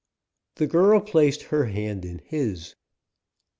The girl placed her hand in his.